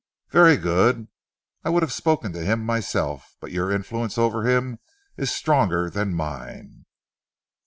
"Very good. I would have spoken to him myself, but your influence over him is stronger than mine."